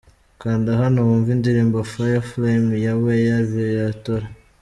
Kanda hano wumve indirimbo’Fireflame’ ya Weya Viatora .